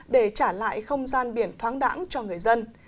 để trả lại không gian biển thoáng đẳng cho người dân